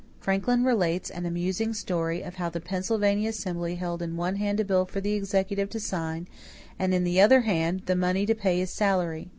Franklin relates an amusing story of how the Pennsylvania assembly held in one hand a bill for the executive to sign and, in the other hand, the money to pay his salary.